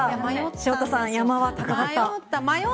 潮田さん山は高かった。